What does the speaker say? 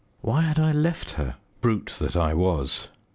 Why had I left her? Brute that I was.